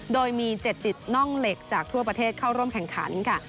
โดยมี๗๐น่องเหล็กจากทั่วประเทศเข้าร่วมแข่งขันค่ะ